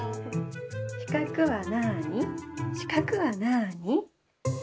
「しかくはなあにしかくはなあに」。